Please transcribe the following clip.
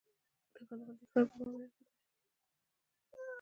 د غلغلې ښار په بامیان کې دی